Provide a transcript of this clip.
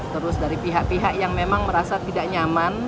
terus dari pihak pihak yang memang merasa tidak nyaman